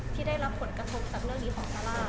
ที่ได้รับผลกระทบปันตรงเรื่องตัวของซาล่า